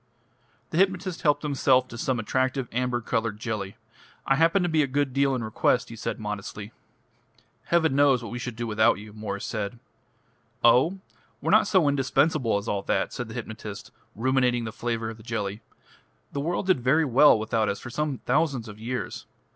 The hypnotist helped himself to some attractive amber coloured jelly. "I happen to be a good deal in request," he said modestly. "Heaven knows what we should do without you." "Oh! we're not so indispensable as all that," said the hypnotist, ruminating the flavour of the jelly. "The world did very well without us for some thousands of years.